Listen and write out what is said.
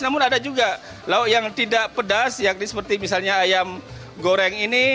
namun ada juga yang tidak pedas yang ini seperti misalnya ayam goreng ini